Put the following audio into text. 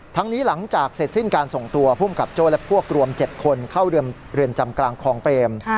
นี้หลังจากเสร็จสิ้นการส่งตัวภูมิกับโจ้และพวกรวม๗คนเข้าเรือนจำกลางคลองเปรม